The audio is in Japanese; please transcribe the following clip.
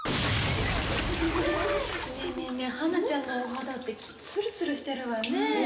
ねえねえねえ華ちゃんのお肌ってつるつるしてるわよね。